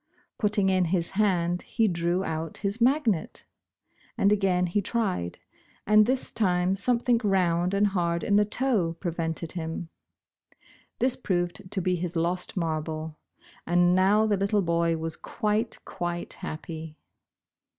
Putting in his hand, he drew out his magnet. Again he tried, and this time something round and hard in the toe pre vented him. This proved to be his lost marble — and now the little boy was quite, quite happy.